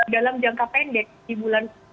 dalam jangka pendek di bulan